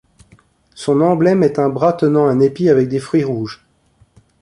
Son emblème est un bras tenant un épi avec des fruits rouges.